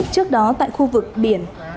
trước đó tại khu vực biển